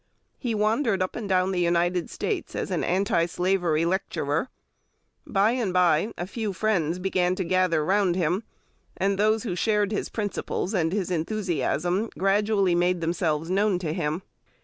He wandered up and down the United States as an anti slavery lecturer; by and by a few friends began to gather round him, and those who shared his principles and his enthusiasm gradually made themselves known to him.